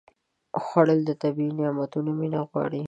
خوړل د طبیعي نعمتونو مینه غواړي